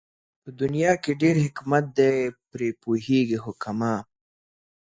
په دنيا کې ډېر حکمت دئ پرې پوهېږي حُکَما